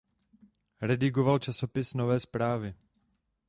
Redigoval časopis „Nové Zprávy“.